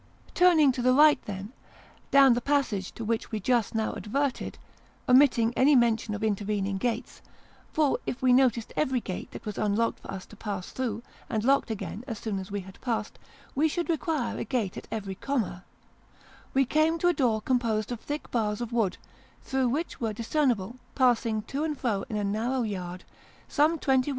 Turning to the right, then, down the passage to which we just now adverted, omitting any mention of intervening gates for if we noticed every gate that was unlocked for us to pass through, and locked again as soon as we had passed, we should require a gate at every comma we came to a door composed of thick bars of wood, through which were discernible, passing to and fro in a narrow yard, some twenty 150 Sketches by Boz.